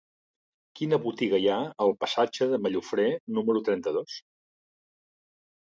Quina botiga hi ha al passatge de Mallofré número trenta-dos?